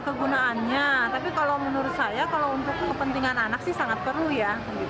kegunaannya tapi kalau menurut saya kalau untuk kepentingan anak sih sangat perlu ya